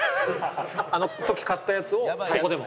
あの時買ったやつをここでも。